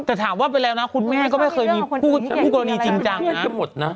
แต่ถามว่าไปแล้วนะคุณแม่ก็ไม่เคยมีคู่กรณีจริงจังนะหมดนะ